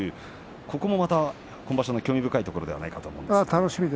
ここもまた今場所の興味深いところではないかと思います。